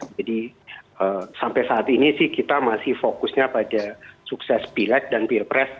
jadi sampai saat ini sih kita masih fokusnya pada sukses pileg dan pirepres